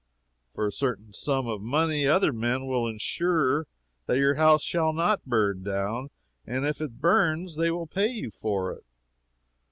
For a certain sum of money other men will insure that your house shall not burn down; and if it burns they will pay you for it.